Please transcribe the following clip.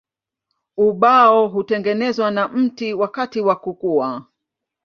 Ubao hutengenezwa na mti wakati wa kukua.